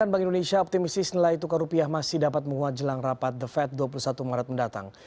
bank indonesia optimistis nilai tukar rupiah masih dapat menguat jelang rapat the fed dua puluh satu maret mendatang